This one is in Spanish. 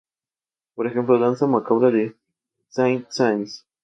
Por ejemplo: Danza macabra, de Saint-Saëns.